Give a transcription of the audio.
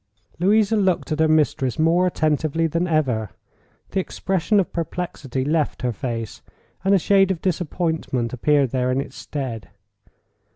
Louisa looked at her mistress more attentively than ever. The expression of perplexity left her face, and a shade of disappointment appeared there in its stead.